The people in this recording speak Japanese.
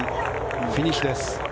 フィニッシュです。